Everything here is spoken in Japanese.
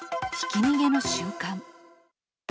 ひき逃げの瞬間。